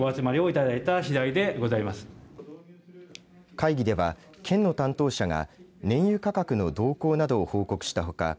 会議では県の担当者が燃油価格の動向などを報告したほか